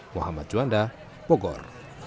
muhammad juanda bogor